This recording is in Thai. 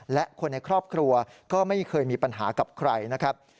และคนในครอบครัวก็ไม่เคยมีปัญหากับใครนะครับ